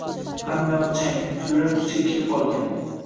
Hammayoq chang, kulrang tusga kirib olgan